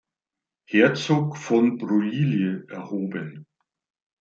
Herzog von Broglie erhoben.